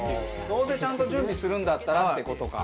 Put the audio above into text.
どうせちゃんと準備するんだったらって事か。